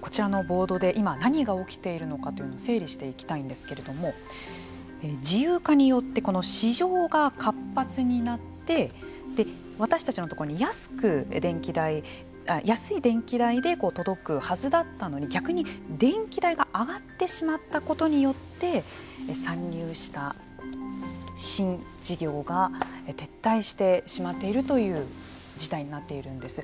こちらのボードで今何が起きているのかというのを整理していきたいんですけれども自由化によって市場が活発になって私たちのところに安い電気代で届くはずだったのに逆に電気代が上がってしまったことによって参入した新事業が撤退してしまっているという事態になっているんです。